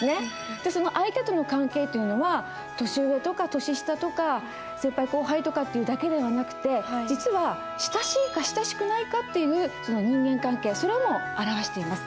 じゃその相手との関係っていうのは年上とか年下とか先輩後輩とかっていうだけではなくて実は親しいか親しくないかっていう人間関係それも表しています。